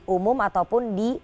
umum ataupun di